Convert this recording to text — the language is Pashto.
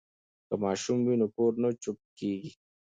که ماشوم وي نو کور نه چوپ کیږي.